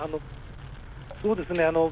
そうですね。